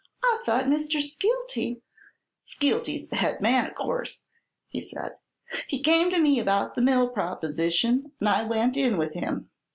"I thought Mr. Skeelty " "Skeelty's the head man, of course," he said. "He came to me about the mill proposition and I went in with him.